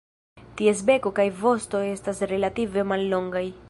Ties beko kaj vosto estas relative mallongaj.